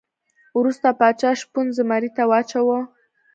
وروسته پاچا شپون زمري ته واچاوه.